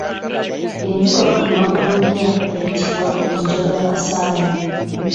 Enju kabaka mw’akomagira eyitibwa Njagalakasaayi.